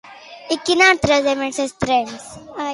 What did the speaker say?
I quin altre, de més extrem?